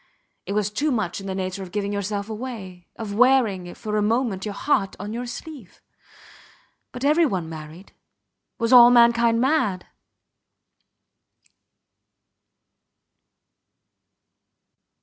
It was too much in the nature of giving yourself away, of wearing if for a moment your heart on your sleeve. But every one married. Was all mankind mad!